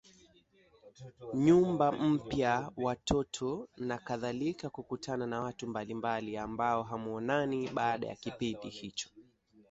nyumba mpya watoto nakadhalika Kukutana na watu mbalimbali ambao hamuonani baada ya kipindi hicho